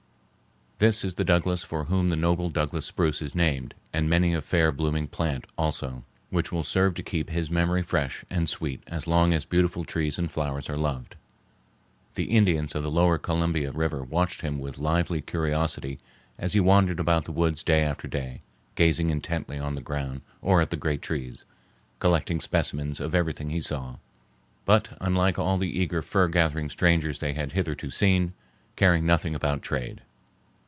This is the Douglas for whom the noble Douglas spruce is named, and many a fair blooming plant also, which will serve to keep his memory fresh and sweet as long as beautiful trees and flowers are loved. The Indians of the lower Columbia River watched him with lively curiosity as he wandered about in the woods day after day, gazing intently on the ground or at the great trees, collecting specimens of everything he saw, but, unlike all the eager fur gathering strangers they had hitherto seen, caring nothing about trade.